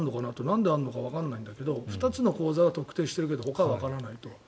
なんであるのかわからないんだけど２つの口座は特定しているけれどほかはわからないと。